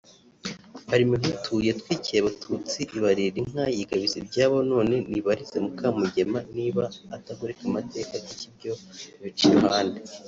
Parmehutu yatwikiye abatutsi ibalira inka yigabiza ibyabo nonese nibarize Mukamugema niba atagoreka amateka kuki ibyo abica iruhande